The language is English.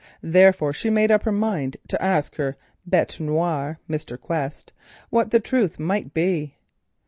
Therefore, she made up her mind to ask her bete noire, Mr. Quest, what the truth might be.